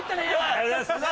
ありがとうございます。